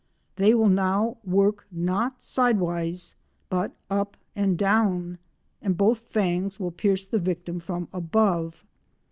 They will now work not sideways, but up and down, and both fangs will pierce the victim from above.